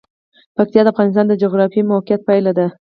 پکتیکا د افغانستان د جغرافیایي موقیعت پایله ده.